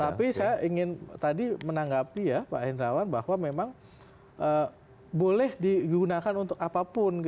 tapi saya ingin tadi menanggapi ya pak hendrawan bahwa memang boleh digunakan untuk apapun